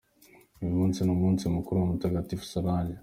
Uyu munsi ni umunsi mukuru wa Mutagatifu Solange.